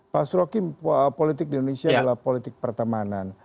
pak surokim politik di indonesia adalah politik pertemanan